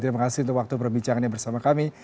terima kasih untuk waktu perbicaraannya bersama kami